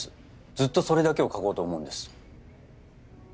ずっとそれだけを書こうと思うんです。